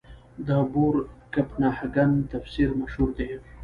د بور کپنهاګن تفسیر مشهور دی.